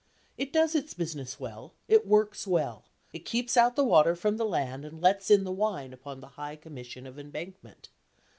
It does its business well: it works well: it keeps out the water from the land and it lets in the wine upon the High Commission of Embankment.